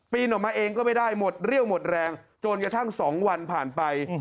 ออกมาเองก็ไม่ได้หมดเรี่ยวหมดแรงจนกระทั่ง๒วันผ่านไป